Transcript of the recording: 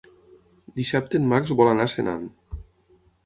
Dissabte en Max vol anar a Senan.